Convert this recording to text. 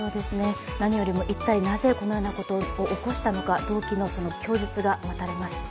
何よりも一体なぜこのようなことを起こしたのか動機の供述が待たれます。